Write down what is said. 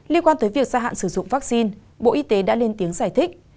liên quan tới việc gia hạn sử dụng vaccine bộ y tế đã lên tiếng giải thích